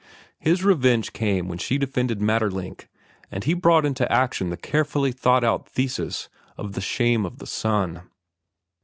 His revenge came when she defended Maeterlinck and he brought into action the carefully thought out thesis of "The Shame of the Sun."